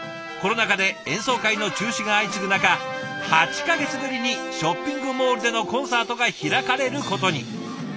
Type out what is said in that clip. コロナ禍で演奏会の中止が相次ぐ中８か月ぶりにショッピングモールでのコンサートが開かれることに。